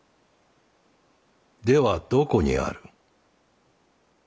ではどこにある？